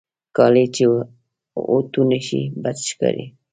کالي چې اوتو نهشي، بد ښکاري.